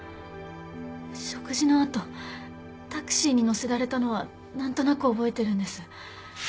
食事の後タクシーに乗せられたのは何となく覚えてるんです。